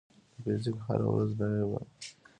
د فزیک هره ورځ نوې ده.